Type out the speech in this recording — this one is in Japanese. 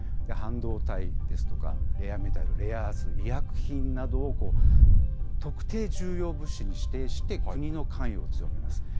半導体ですとか、レアメタル・レアアース、医薬品などを、特定重要物資に指定して、国の関与を強めます。